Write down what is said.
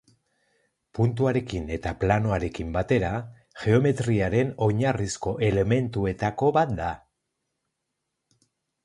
Puntuarekin eta planoarekin batera, geometriaren oinarrizko elementuetako bat da.